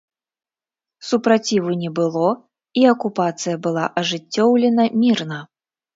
Супраціву не было, і акупацыя была ажыццёўлена мірна.